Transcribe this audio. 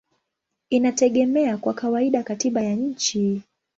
inategemea kwa kawaida katiba ya nchi.